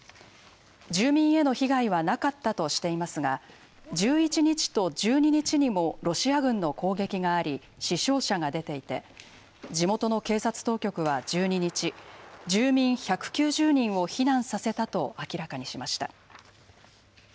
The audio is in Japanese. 住民への被害はなかったとしていますが１１日と１２日にもロシア軍の攻撃があり死傷者が出ていて地元の警察当局は１２日住民１９０人を避難させたと明らかにしました。